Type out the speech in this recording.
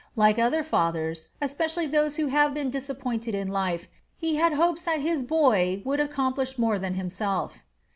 Like other fathers, especially those who have been disappointed in life, he had hopes that his boy would accomplish more than himself.